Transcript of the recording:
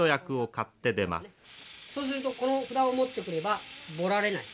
そうするとこの札を持ってくればぼられない。